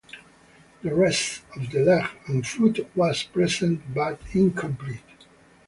The rest of the leg and foot was present but incomplete.